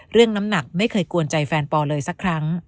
น้ำหนักไม่เคยกวนใจแฟนปอเลยสักครั้ง